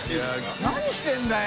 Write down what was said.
何してるんだよ！